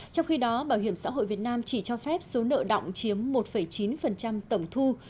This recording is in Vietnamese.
trong khi đó bảo hiểm xã hội việt nam chỉ cho phép số nợ động chiếm một chín tổng thu